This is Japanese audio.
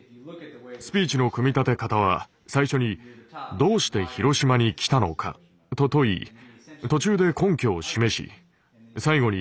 スピーチの組み立て方は最初に「どうして広島に来たのか？」と問い途中で根拠を示し最後に「だから私たちは広島に来た」と結んでいます。